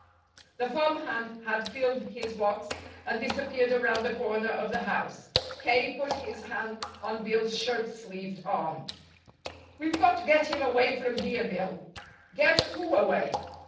The farmhand had filled his box and disappeared around the corner of the house. K. put his hand on Bill's shirt sleeved arm. "We've got to get him away from here, Bill." "Get who away?"